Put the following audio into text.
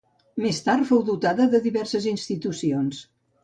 Més tard fou dotada de diverses institucions.